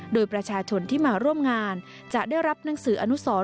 โดยประชาชนที่มาร่วมงานจะได้รับหนังสืออนุสร